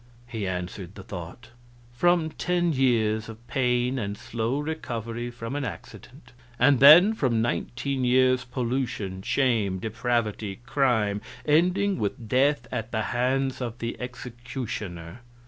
He answered the thought: "From ten years of pain and slow recovery from an accident, and then from nineteen years' pollution, shame, depravity, crime, ending with death at the hands of the executioner.